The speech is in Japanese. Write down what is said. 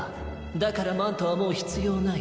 だからマントはもうひつようない。